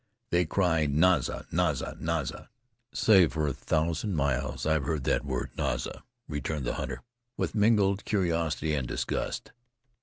They cry Naza! Naza! Naza!" "Say, for a thousand miles I've heard that word Naza!" returned the hunter, with mingled curiosity and disgust.